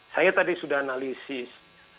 saya tadi sudah analisis